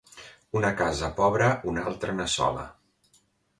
Una casa pobra una altra n'assola.